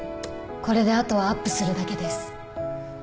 これであとはアップするだけです。